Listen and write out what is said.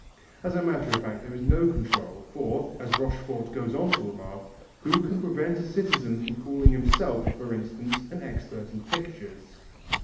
As a matter of fact there is no control, for, as Rochefort goes on to remark: "Who can prevent a citizen from calling himself, for instance, an expert in pictures?"